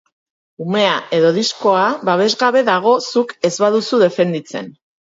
Umea edo diskoa babesgabe dago zuk ez baduzu defenditzen.